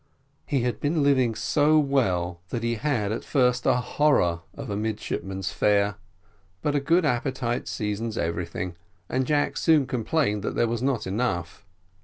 He had been living so well that he had, at first, a horror of midshipman's fare, but a good appetite seasons everything, and Jack soon complained that there was not enough.